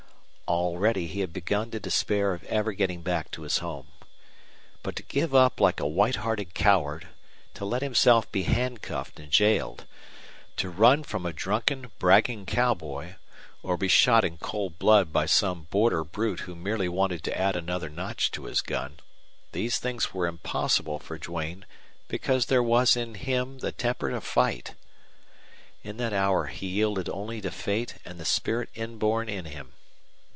Already he had begun to despair of ever getting back to his home. But to give up like a white hearted coward, to let himself be handcuffed and jailed, to run from a drunken, bragging cowboy, or be shot in cold blood by some border brute who merely wanted to add another notch to his gun these things were impossible for Duane because there was in him the temper to fight. In that hour he yielded only to fate and the spirit inborn in him.